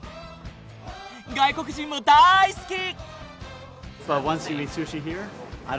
外国人も大好き！